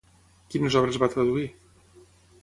Quines obres va traduir?